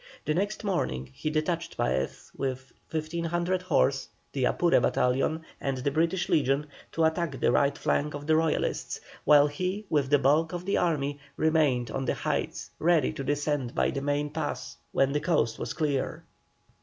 The next morning he detached Paez, with 1,500 horse, the Apure battalion, and the British legion, to attack the right flank of the Royalists, while he with the bulk of the army remained on the heights ready to descend by the main pass when the coast was clear.